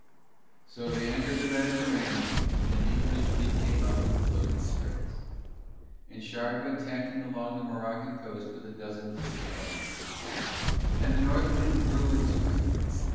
So they entered the Mediterranean and the English fleet came up and closed the straits. And Shard went tacking along the Moroccan coast with a dozen frigates behind him. And the North wind grew in strength.